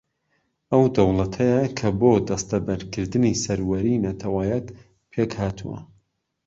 ئەو دەوڵەتەیە کە بۆ دەستەبەرکردنی سەروەریی نەتەوەیەک پێک ھاتووە